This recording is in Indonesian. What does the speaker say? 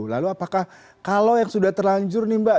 lalu apakah kalau yang sudah terlanjur nih mbak